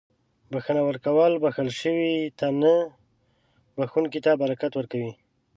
• بښنه ورکول بښل شوي ته نه، بښونکي ته برکت ورکوي.